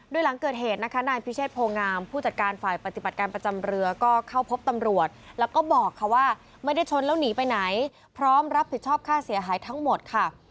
โดยหลังเกิดเหตุนะคะนายพิเชษโพงามผู้จัดการฝ่ายปฏิบัติการประจำเรือก็เข้าพบตำรวจแล้วก็บอกค่ะว่าไม่ได้ชนแล้วหนีไปไหนพร้อมรับผิดชอบค่าเสียหายทั้งหมดค่ะ